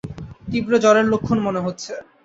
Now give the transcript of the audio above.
তীব্র জ্বরের লক্ষণ মনে হচ্ছে।